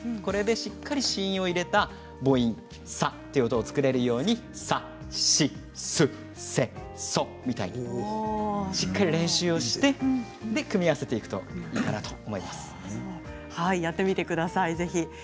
しっかり子音を入れた母音作れるようにさしすせそみたいに練習をして組み合わせていくとやってみてください。